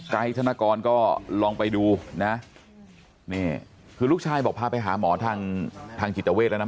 ธนกรก็ลองไปดูนะนี่คือลูกชายบอกพาไปหาหมอทางทางจิตเวทแล้วนะ